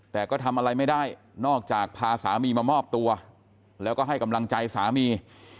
แต่ก็ทำอะไรไม่ได้นอกจากพาสามีมามอบตัวแล้วก็ให้กำลังใจสามี